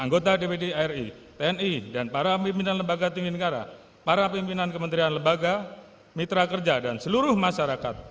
anggota dpd ri tni dan para pimpinan lembaga tinggi negara para pimpinan kementerian lembaga mitra kerja dan seluruh masyarakat